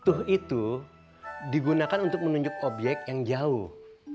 bu tuh itu digunakan untuk menunjuk obyek yang jauh